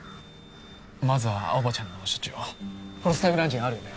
まずは青葉ちゃんの処置をプロスタグランジンあるよね？